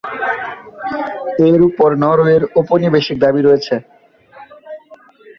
এর উপর নরওয়ের ঔপনিবেশিক দাবী রয়েছে।